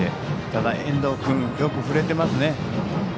ただ遠藤君、よく振れていますね。